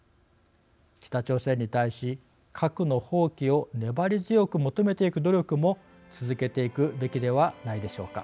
北朝鮮に対し核の放棄を粘り強く求めていく努力も続けていくべきではないでしょうか。